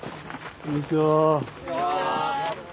こんにちは。